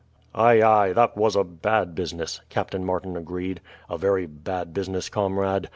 "Ay, ay, that was a bad business," Captain Martin agreed; "a very bad business, comrade.